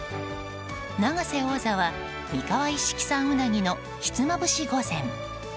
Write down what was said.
永瀬王座は三河一色産うなぎのひつまぶし御前。